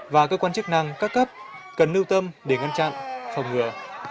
và cơ quan chức năng các cấp cần lưu tâm để ngăn chặn phòng ngừa